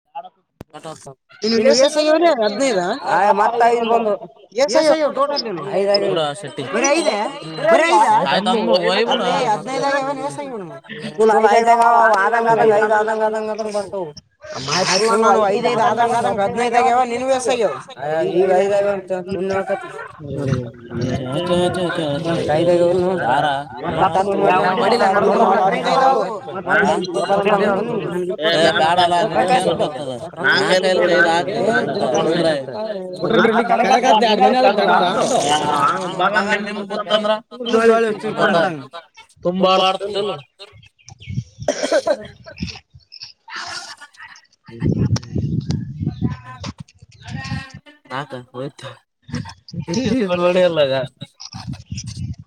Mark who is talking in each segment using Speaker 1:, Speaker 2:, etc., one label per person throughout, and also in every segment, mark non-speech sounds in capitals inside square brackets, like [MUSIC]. Speaker 1: [UNINTELLIGIBLE]
Speaker 2: ಮಯ್ಯತೂ
Speaker 1: [UNINTELLIGIBLE]
Speaker 2: ನನ್ಗ ಗೋತಾದ
Speaker 1: [UNINTELLIGIBLE]
Speaker 2: [INAUDIBLE] [INAUDIBLE] [INAUDIBLE]
Speaker 1: ನಾಕ ಹೋಯ್ತು ಬಿಟ್ಟಿದ್ ನೋಡೇ ಇಲ್ಲ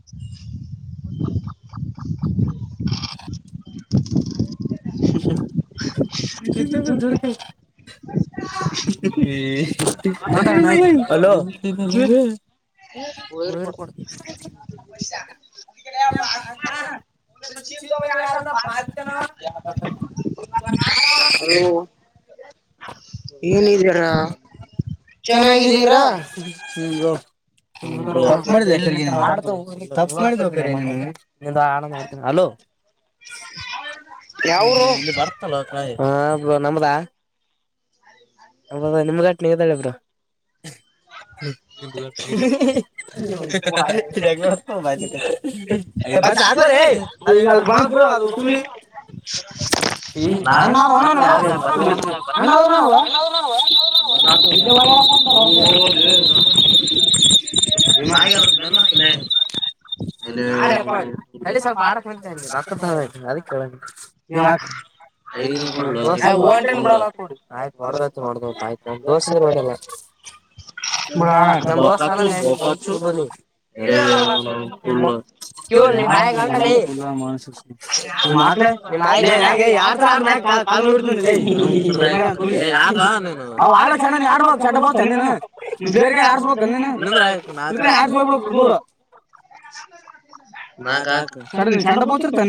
Speaker 2: [INAUDIBLE]
Speaker 1: [INAUDIBLE] [UNINTELLIGIBLE]
Speaker 2: [UNINTELLIGIBLE]
Speaker 1: ಹೇ ಹಲೋ ಓದಿರಿ ಕೊಡ್ತೀನಿ [UNINTELLIGIBLE]
Speaker 2: ಏನಿದೀರಾ
Speaker 1: ಚೆನ್ನಾಗಿದ್ದೀರಾ ಹ್ಮ್ಮ್ ಬ್ರೋ ತಪ್ ಮಾಡ್ [UNINTELLIGIBLE] ತಪ್ ಮಾಡ್ಯೋ ಕರ್ಯ ನೀನು ಅಲೋ ಹ್ಮ ಇಲ್ಲಿ ಬರ್ತಲ್ಲ ಹ್ಮ್ಮ್ ಬ್ರೋ ನಮೂದಾ ನಮದ [UNINTELLIGIBLE] ಬ್ರೋ [UNINTELLIGIBLE] ಎಂಗ ನೋಡುತ್ತ ನೋಡು ಬಸ್ಯ ಹಾಕೋಕೆ ಅದು ಬುಡು [UNINTELLIGIBLE] [UNINTELLIGIBLE]
Speaker 2: [UNINTELLIGIBLE]
Speaker 1: ಇದೊಂದು ಹಾಕು [UNINTELLIGIBLE] ಒಂಟಿನ್ ಬಿಡಲ್ಲೋ ಕೊಡಿ ಆಯ್ತು ಹೊಡ್ಡೋತು ಕಾಯಿ ನಮ್ ದೋಸ್ತಾಗ ನೋಡಿಲ್ಲ ನಮ್ ದೋಸ್ತ ಅಲ್ಲಲ್ಲೆ [UNINTELLIGIBLE] ಇವಾ ನಿಮ್ ಆಯಿ ಗಂಡ ಲೆ ಸುಮ್ ಹಾಕಲೇ [UNINTELLIGIBLE] ಅವ ಆಲ ಚಂಡ ನೀ ಆಡ್ಬು ಚಂಡ ಬೋತ ನೀ ನಿ ಬೇರೆ ಕಾಯ ಆಬ ಆ ದೂರ ಚ ಚಂಡ ಬೋರ್ತ ಗ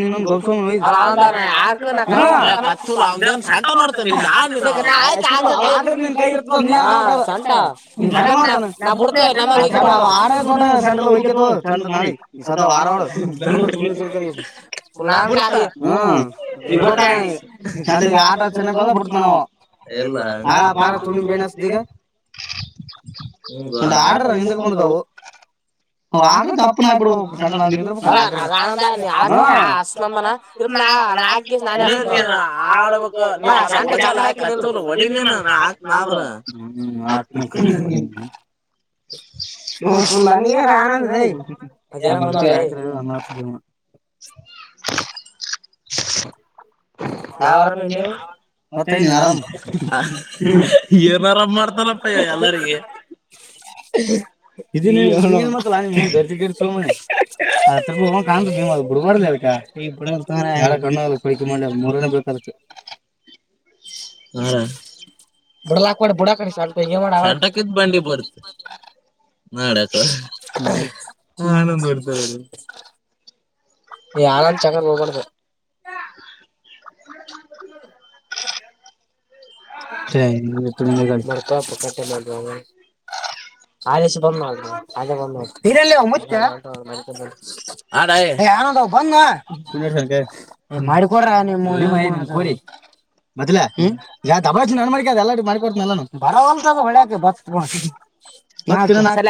Speaker 1: ಶಂಟ ನೋಡ್ತೇ ಚ ಚಂಡ ನಳೆ ಸದ ಆ ಹ್ಮ ಅ ಆಟೋ ಚೆನ್ನಡ್ತಲ್ಲ
Speaker 2: ಹಾರ ಒ ಆಡ್ರ ಎ್ರಂದು ಕವು ಆಕರಿ ಕಪ್ಪು ನ ಇ
Speaker 1: ಇಾಕ ಆಡ್ಬೇಕುನ [UNINTELLIGIBLE] ಆನಂದಿದೆ ಜನ ಬಂದ
Speaker 2: [INAUDIBLE]
Speaker 1: ನಾವವು ಆರಾಮೇ ನೀವು ಮತ್ತ ನನ್ ಆರಾಮ ಏನಾರಪ್ಪ ಮಾಡ್ತಾರಪ್ಪ ಎಲ್ಲಗ ಇದ ಮರ್ಜಿ ಗರ್ ಸಮಿ ಸ್ಲ್ಪ ಹೋಗ ಕ ಗಮ ಬಿಡ್ ಮಾಡ್ದ ಅದ ಮಾಡ ಮೂರನ ಬೇಕಾಗತ್ತೆ ಹಾ ಬಡಲಾ ಬುಡಕ ಬ ಮಾಡ ಈ ಆನಂದ್ ಚಕ ಹೋಗಬಡ್
Speaker 2: [INAUDIBLE]
Speaker 1: ಬ ಕಟ ಆದ ಬ ಬ ಬ ಮಾಡೊಡ್ರ ಮದ್ಲ ಯಾವ [UNINTELLIGIBLE] ಮಾಡಡಕ ಅದ ಎಾ ಮಾಡಕೊ ಬರಕ ಬ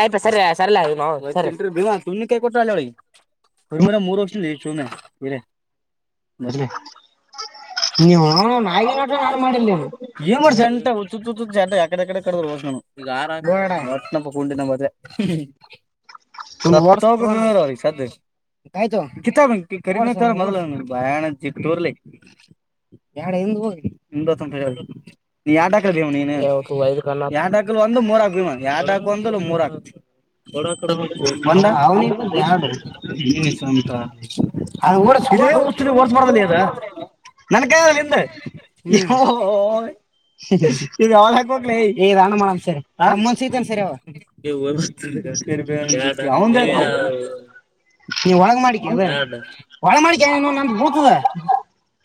Speaker 1: ಆಯ್ತಾ ಸರಿಯ ಸರಿಯೌದು ಸರಿ ಭೀಮಾ ತುನ್ನಿ ಕೈ ಕೊಟ್ರ ಅೊಳಗೆ ಹರಮೇಲೆ ಮೂರು ವರ್ಷ ಶುನೆ ಬರೆ
Speaker 2: ಬದ್ರ ನೀವು ಆತ್ರ ನನ್ ಮಾಡಿರ್ಲಿ
Speaker 1: ಏನ್ ಮಾಡಿ ಸಂಟ ಉುತ್ತ ಎಕಡೆಡದ್ ಹೌ ಈಗ ಆರಾಮಂಡ [UNINTELLIGIBLE] ಬಾನ ತರಲಿ ಎಡ ಹಿಂದ ಹೋಗಿ ಯಟ ಹಾಕ ಭೀಮ ನೀ ಯ ಹಾಕ ಒಂದು ಮೂರಕ ಭೀಟ ಹಾಕಂದರ ಓಬ ಅದ ನನ್ ಕೈಯಲೆ ನಿಂದ್. ಹೊ ಹೊ [UNINTELLIGIBLE]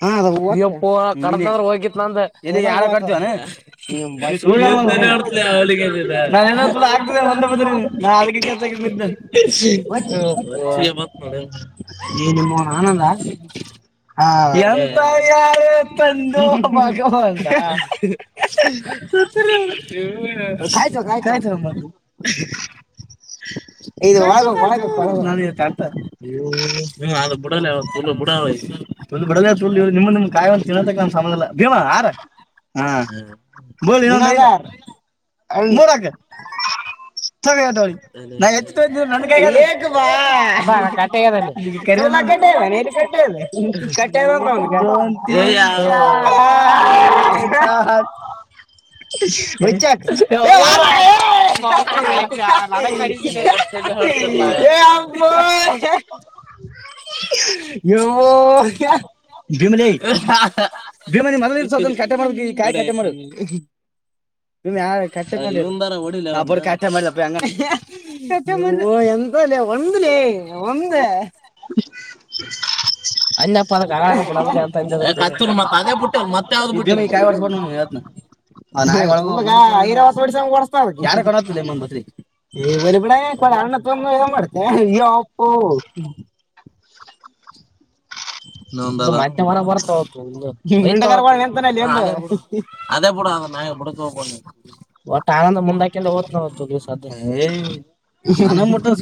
Speaker 1: ಅಯ್ಯೋಪ್ಪಾ ಕಡತ್ರ ಹೋಗಿತ್ ನಂದು [UNINTELLIGIBLE] ಯಾರೋ ತಂದೊ ಮಗ [UNINTELLIGIBLE] ನಿಮ್ ನಿಮ್ ಕಾಯ ಹೇಳೋತನಕ ಸಮಯಿಲ್ಲ [UNINTELLIGIBLE]
Speaker 2: [UNINTELLIGIBLE]
Speaker 1: [UNINTELLIGIBLE] ದಿಂಲಿ ದಿಂಲಿ ಮಲ್ಗ್. ಕಟ್ಟೆ ಮಾಡ್ಬೇಕ ಈ ಕಟ್ಟೆ ಮಾಡು [UNINTELLIGIBLE] ಒಂದ್ಲೆ ಒಂದ
Speaker 2: [INAUDIBLE]
Speaker 1: [UNINTELLIGIBLE]
Speaker 2: [UNINTELLIGIBLE]
Speaker 1: ಮತ್ತೆ ಹೊರ ಬರ್ತವ ಅತು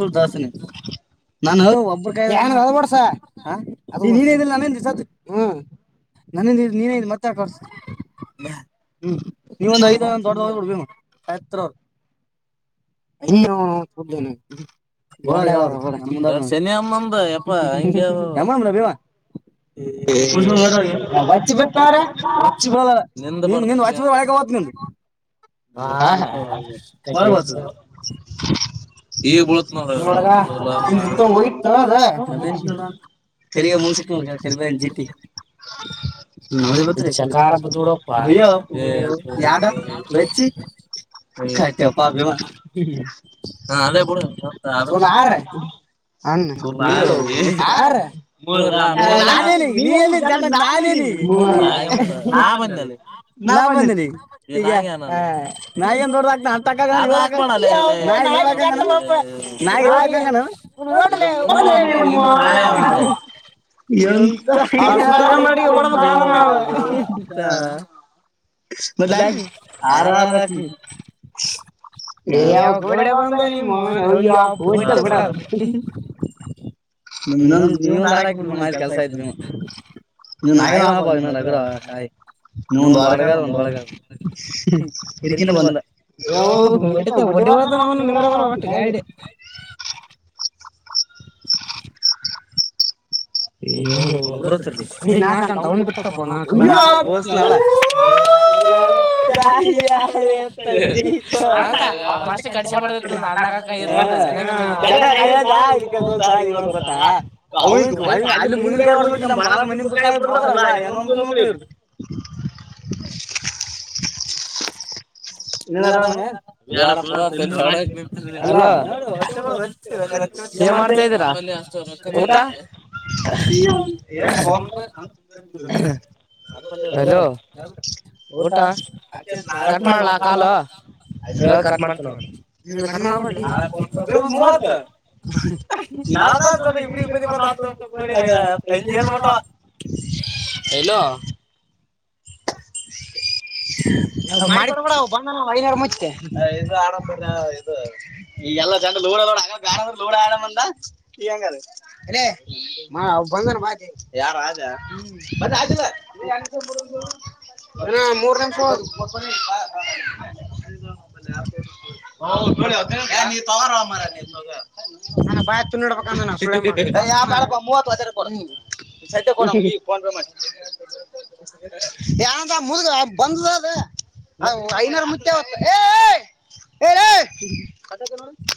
Speaker 1: [UNINTELLIGIBLE] [UNINTELLIGIBLE] ನನಿಂದ್ ನೀನೇ ಮತ್ತೆ ಕರ್ಸ ಹ್ಮ್ ನೀವ್ ಒಂದ್ ಐದ್ ಒಂದ್ ದೊಡ್ಡದು ಹ್ಮ್ [UNINTELLIGIBLE] [UNINTELLIGIBLE] ಶನಿ ಅಮ್ಮಂದು ಎಪ್ಪ ಎಮ [UNINTELLIGIBLE] ವಚ್ಚಿ ಬಿತ್ತ್ರ ವಚ್ಚಿ ಬಿಳ [UNINTELLIGIBLE] ಅಂ ಹಾ, ಈಗ್ ಬತ್ ನೋಡು [UNINTELLIGIBLE] ಜಿ ಶಕೋಡ ಅಯ ನಾನೇನ ನೀಲ್ಲಿ ಜನ ನಾನೇನ ಈ ನಾ ಬಂದ ನಾಯಏನ್ ದೊಡ್ಡಾಗಗ್ತ ಎಂತ ಮಗ ಮಾಡಡಿಗೆ ಓಡಮ್ಮ ಕ ನಾವ ಎಂತ
Speaker 2: ಮೆ ಆರಾಮ
Speaker 1: ಗ ಬ ನೀವೊಂದ ಹಾರಾಕಬ ಕೆಲ್ಸ ಆಯತ್ೊ ಆ ಹಬಾಗ ನಗ
Speaker 2: [INAUDIBLE] [UNINTELLIGIBLE]
Speaker 1: ಹಿರಿಕಿನ ಬಂದ ಒಡವ್ದ ಅವನು ನಿವ ಹೊಟ್ಟ ಗಾಡಿ
Speaker 2: ಅವ ಭ ಅಲ್ಲಿ ಮಂದಿನ ಕಾಯ ಬರ್ತಲ ನಮ್ಮ ಬಾರ ಮಂದ ಕಾಯ ಬಡ್ತಲ್ಲ ಏನ ಒಕ್ಳ
Speaker 1: ಊಟ ಕಾ ಕ ಮಾಡ್ತ ನೋ ಮಾಡ ನ ಇ ಇ
Speaker 2: [UNINTELLIGIBLE] ೆ ಆ ಮಾರಿಕಡ ಕಡ ಹಬ ಇದು ಆ ಇ ಈ ಎಲ್ಲ ಜನ ಲೂಡೋ ಲೂಡ ಆಡಂದ ಈಂಗ ಯಾರ ನ ಯಏನಂತ ಮುದಗ ಬಂದ ಅದ ಐನಾರ ಮು ಹೊತ್ತು ಏ ಹೇಳ